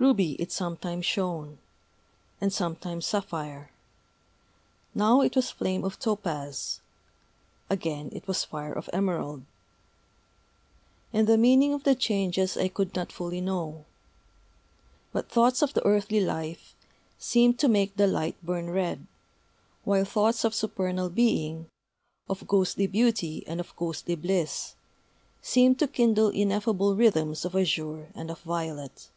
Ruby it sometimes shone, and sometimes sapphire: now it was flame of topaz; again, it was fire of emerald. And the meaning of the changes I could not fully know. But thoughts of the earthly life seemed to make the light burn red; while thoughts of supernal being, of ghostly beauty and of ghostly bliss, seemed to kindle ineffable rhythms of azure and of violet.